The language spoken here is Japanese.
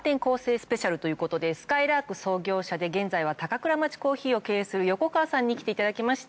スペシャルということですかいらーく創業者で現在は高倉町珈琲を経営する横川さんに来ていただきました。